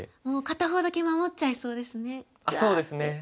もう片方だけ守っちゃいそうですね。